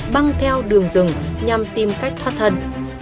băng theo đường rừng nhằm tìm cách thoát thân